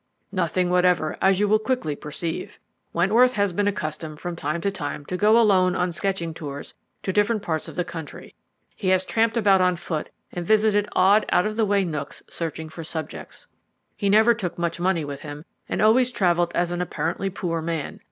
"Nothing whatever, as you will quickly perceive. Wentworth has been accustomed from time to time to go alone on sketching tours to different parts of the country. He has tramped about on foot, and visited odd, out of the way nooks searching for subjects. He never took much money with him, and always travelled as an apparently poor man.